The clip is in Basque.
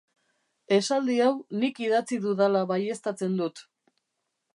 Esaldi hau nik idatzi dudala baieztatzen dut.